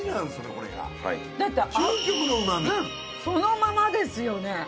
そのままですよね。